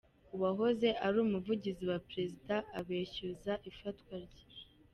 Uwahoze ari umuvugizi wa perezida abeshyuza ifatwa rye